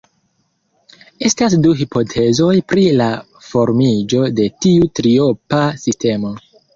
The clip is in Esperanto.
Estas du hipotezoj pri la formiĝo de tiu triopa sistemo.